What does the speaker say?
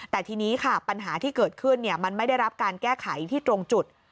แต่ทีนี้ค่ะปัญหาที่เกิดขึ้นมันไม่ได้รับการแก้ไขที่ตรงจุด